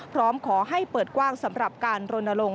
พร้อมขอให้เปิดกว้างสำหรับการรณรงค